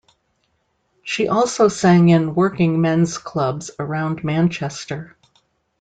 She also sang in working men's clubs around Manchester.